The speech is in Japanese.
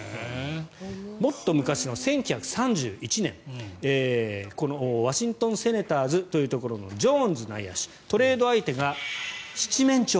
もっと昔の１９３１年ワシントン・セネターズというところのジョーンズ内野手トレード相手が七面鳥。